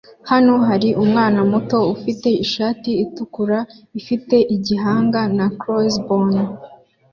Hano hari umwana muto ufite ishati itukura ifite igihanga na crossbone